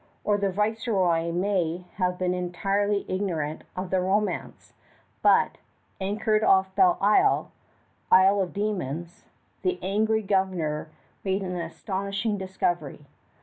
Or the Viceroy may have been entirely ignorant of the romance, but, anchored off Belle Isle, Isle of Demons, the angry governor made an astounding discovery.